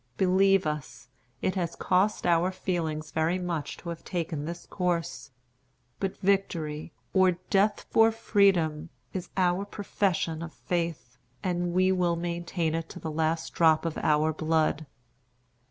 Believe us, it has cost our feelings very much to have taken this course. But victory, or death for freedom, is our profession of faith; and we will maintain it to the last drop of our blood."